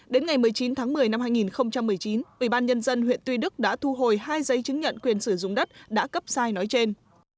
đến ngày một mươi chín tháng một mươi năm hai nghìn một mươi chín ubnd huyện tuy đức đã thu hồi hai giấy chứng nhận quyền sử dụng đất đã cấp sai nói trên